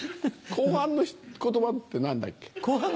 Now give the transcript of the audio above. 「後半の言葉って何だっけ？」。